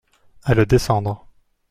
À le descendre.